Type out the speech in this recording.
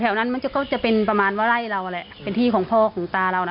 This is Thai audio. นั้นมันก็จะเป็นประมาณว่าไล่เราแหละเป็นที่ของพ่อของตาเรานะ